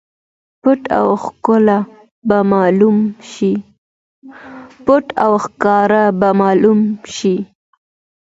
پټ او ښکاره به معلوم شي.